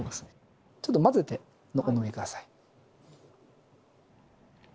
ちょっと混ぜてお飲み下さい。